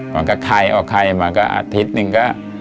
ก็ไข่ออกไข่มาก็อาทิตย์หนึ่งก็